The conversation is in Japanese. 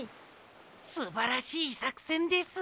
すばらしいさくせんです。